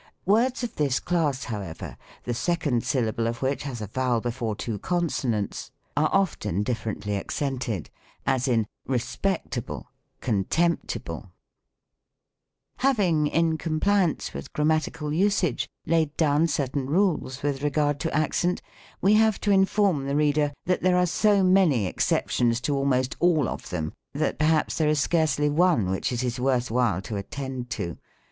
Words of this class, however, the second syllable of which has a vowel before two consonants, are often PROSODY. Ill differently accented : as in " Respectable, contemp uble." "A respectable Man.'" Having, in compliance with grammatical usage, laid down certain rules with regai d to accent, we have to inform the reader that there are so many exceptions to almost all of them, that perhaps there is scarcely one which it is worth while to attend to.